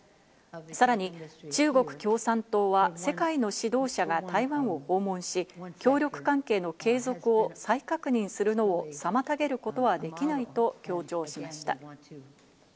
さらに中国共産党は世界の指導者が台湾を訪問し、協力関係の継続を再確認するのを妨げることはできないと強調しました。